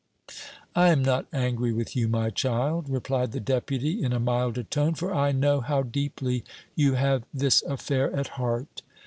"I am not angry with you, my child," replied the Deputy, in a milder tone, "for I know how deeply you have this affair at heart.